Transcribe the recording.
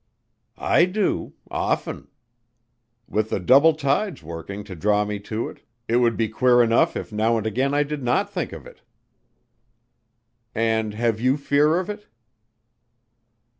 "I do often. With the double tides working to draw me to it, it would be queer enough if now and again I did not think of it." "And have you fear of it?"